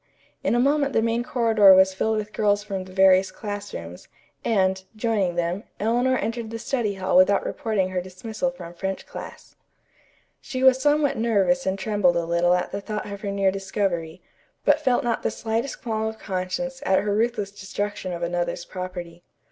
In a moment the main corridor was filled with girls from the various classrooms, and, joining them, Eleanor entered the study hall without reporting her dismissal from French class. She was somewhat nervous and trembled a little at the thought of her near discovery, but felt not the slightest qualm of conscience at her ruthless destruction of another's property.